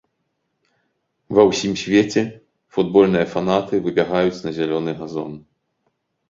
Ва ўсім свеце футбольныя фанаты выбягаюць на зялёны газон.